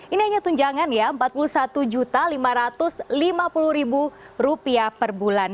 ini hanya tunjangan ya rp empat puluh satu lima ratus lima puluh per bulan